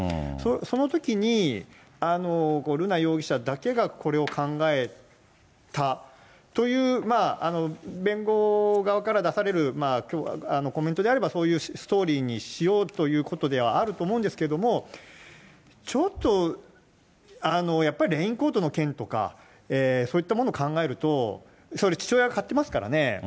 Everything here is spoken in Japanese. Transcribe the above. そのときに瑠奈容疑者だけがこれを考えたという、弁護側から出されるコメントであればそういうストーリーにしようということではあると思うんですけど、ちょっとやっぱりレインコートの件とか、そういったものを考えると、それ、父親が買ってますからね。